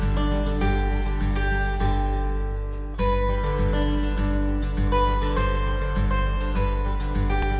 bermanfaat itu udara kehidupan